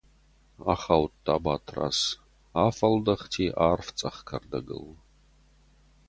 Ахаудта Батрадз, афӕлдӕхти арф цъӕх кӕрдӕгыл.